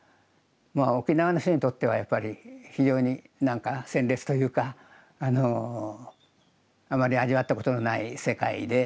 沖縄の人にとってはやっぱり非常に何か鮮烈というかあまり味わったことのない世界で。